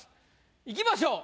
いきましょう。